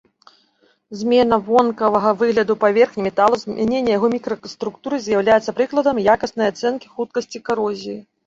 Змена вонкавага выгляду паверхні металу, змяненне яго мікраструктуры з'яўляюцца прыкладамі якаснай ацэнкі хуткасці карозіі.